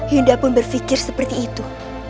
hinda pun berpikir seperti itu